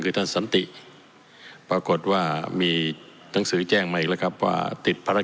ก็มอบให้กรรมนตรีช่วยว่าการกระทรวงการคลังกรรมนตรีช่วยว่าการกระทรวงการคลัง